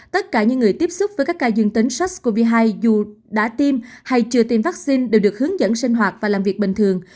tất cả những người tiếp xúc với các ca dương tính sars cov hai dù đã tiêm hay chưa tiêm vaccine đều được hướng dẫn sinh hoạt và làm việc bình thường